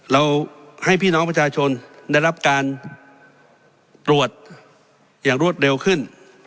เราให้พี่น้องประชาชนได้รับการตรวจอย่างรวดเร็วขึ้น